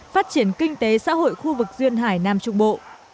phát triển kinh tế xã hội khu vực duyên hải nam trung bộ